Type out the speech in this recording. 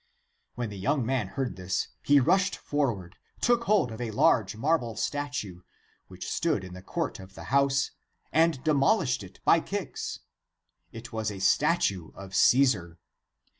When the young man heard this, he rushed forward took hold of a large marble statue, which stood in the court of the house, and demolished it by kicks. It was a statue of Caesar.